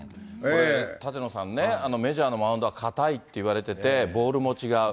舘野さんね、メジャーのマウンドは硬いっていわれてて、ボールも違う。